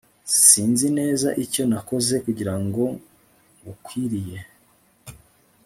sinzi neza icyo nakoze kugirango ngukwiriye